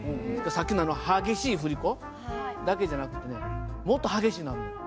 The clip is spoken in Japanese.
さっきのあの激しい振り子だけじゃなくてねもっと激しいのあるのよ。